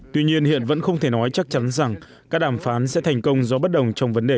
tuy nhiên hiện vẫn không thể nói chắc chắn rằng các đàm phán sẽ thành công do bất đồng trong vấn đề này